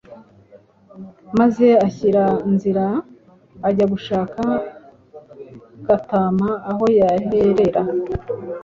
maze ashyira nzira ajya gushaka Gatama aho yaherera.